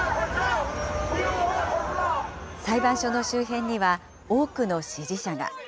裁判所の周辺には、多くの支持者が。